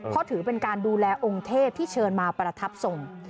เพราะถือเป็นการดูแลองค์เทพที่เชิญมาประทับทรง